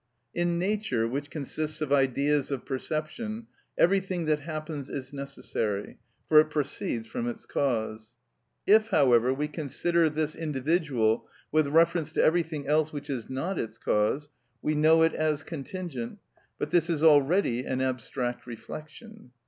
In nature, which consists of ideas of perception, everything that happens is necessary; for it proceeds from its cause. If, however, we consider this individual with reference to everything else which is not its cause, we know it as contingent; but this is already an abstract reflection.